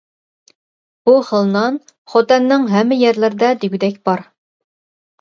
بۇ خىل نان خوتەننىڭ ھەممە يەرلىرىدە دېگۈدەك بار.